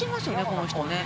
この人ね。